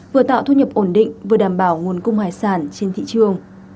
vừa tạo thu nhập ổn định vừa đảm bảo nguồn cung hải sản trên thị trường